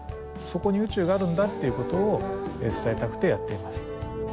そこに宇宙があるんだっていう事を伝えたくてやっています。